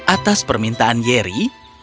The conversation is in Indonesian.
atas permintaan yeri